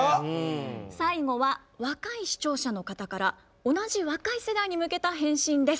最後は若い視聴者の方から同じ若い世代に向けた返信です。